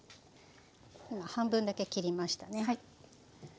半分だけ切りましたね。